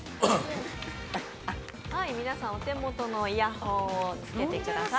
皆さん、お手元のイヤホンを着けてください。